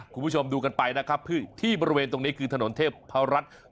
คุณผู้ชมดูกันไปนะครับที่บริเวณตรงนี้คือถนนเทพรัฐ